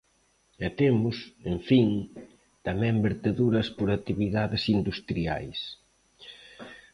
E temos, en fin, tamén verteduras por actividades industriais.